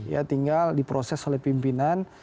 ya tinggal diproses oleh pimpinan